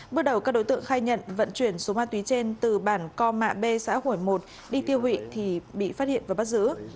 bước đầu các đối tượng khai nhận vận chuyển số ma túy trên từ bản co mạ b xã hủy một đi tiêu hủy thì bị phát hiện và bắt giữ